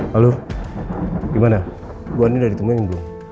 halo gimana bu andin udah ditemuin belum